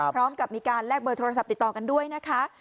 พร้อมกับมีการแลกเบอร์โทรศัพท์ติดต่อกันด้วยนะคะ